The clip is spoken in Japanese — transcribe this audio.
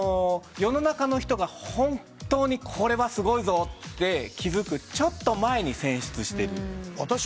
世の中の人が本当にこれはすごいぞって気付くちょっと前に選出してる。